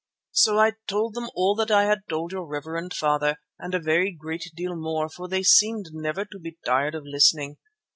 So I told them all that I had told your reverend father, and a very great deal more, for they seemed never to be tired of listening.